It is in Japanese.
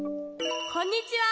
こんにちは。